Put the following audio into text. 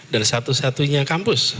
dari satu satunya kampus